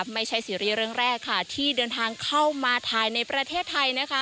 ไม่ใช่ซีรีส์เรื่องแรกค่ะที่เดินทางเข้ามาถ่ายในประเทศไทยนะคะ